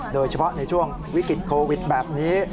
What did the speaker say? โดยเฉพาะในช่วงวิกฤตโควิดแบบนี้